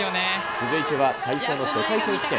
続いては体操の世界選手権。